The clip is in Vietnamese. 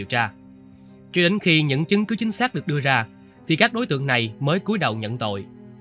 trước đến khi những chứng cứ chính xác được đưa ra thì các đối tượng này mới cuối đầu nhận tội